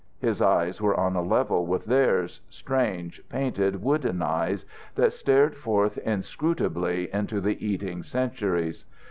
His eyes were on a level with theirs, strange, painted wooden eyes that stared forth inscrutably into the eating centuries.